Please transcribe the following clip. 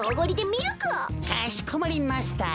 かしこまりマスター。